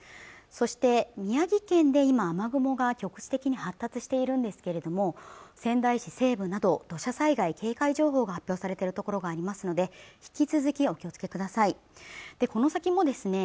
そして宮城県で今、雨雲が局地的に発達しているんですけれども仙台市西部など土砂災害警戒情報が発表されてるところがありますので引き続きお気をつけくださいこの先もですね